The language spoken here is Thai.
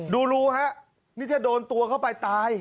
ดูรู้ถ้าโดนตัวเขาไปตาย